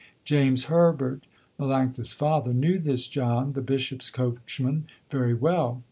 James Herbert, Melanctha's father, knew this John, the Bishops' coachman very well.